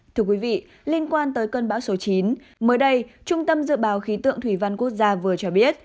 thưa quý vị liên quan tới cơn bão số chín mới đây trung tâm dự báo khí tượng thủy văn quốc gia vừa cho biết